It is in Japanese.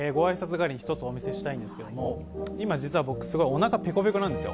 代わりに、１つお見せしたいんですけれども、今、実は僕、すごいおなかぺこぺこなんですよ。